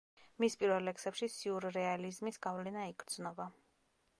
მის პირველ ლექსებში სიურრეალიზმის გავლენა იგრძნობა.